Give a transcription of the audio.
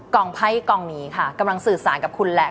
ไพ่กองนี้ค่ะกำลังสื่อสารกับคุณแหละ